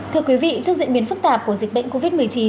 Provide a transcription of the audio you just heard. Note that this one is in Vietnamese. thưa quý vị trước diễn biến phức tạp của dịch bệnh covid một mươi chín